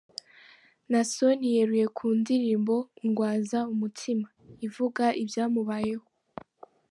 Nasoni yeruye ko indirimbo “Undwaza Umutima” ivuga ibyamubayeho